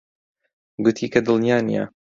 گوتی کە دڵنیا نییە.